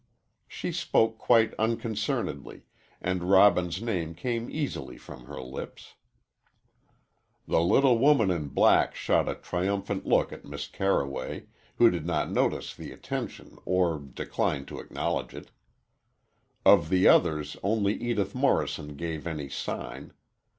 She spoke quite unconcernedly, and Robin's name came easily from her lips. The little woman in black shot a triumphant look at Miss Carroway, who did not notice the attention or declined to acknowledge it. Of the others only Edith Morrison gave any sign.